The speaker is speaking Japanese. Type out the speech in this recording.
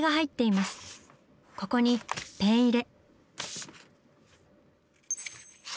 ここにペン入れ。